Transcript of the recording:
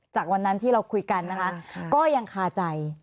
จากวันนั้นที่เราคุยกันนะคะก็ยังคาใจ